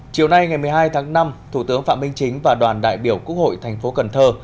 chiều nay ngày một mươi hai tháng năm thủ tướng phạm minh chính và đoàn đại biểu quốc hội thành phố cần thơ